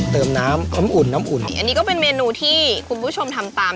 เติมน้ำน้ำอุ่นน้ำอุ่นอันนี้ก็เป็นเมนูที่คุณผู้ชมทำตาม